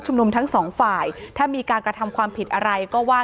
นุมทั้งสองฝ่ายถ้ามีการกระทำความผิดอะไรก็ว่า